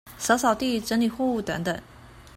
掃掃地、整理貨物等等